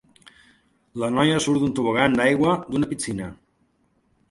La noia surt d'un tobogan d'aigua d'una piscina.